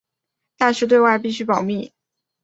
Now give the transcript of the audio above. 但是对外必须保密。